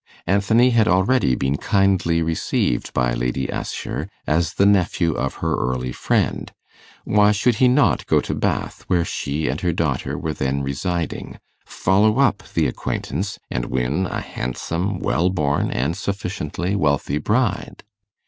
Anthony had already been kindly received by Lady Assher as the nephew of her early friend; why should he not go to Bath, where she and her daughter were then residing, follow up the acquaintance, and win a handsome, well born, and sufficiently wealthy bride?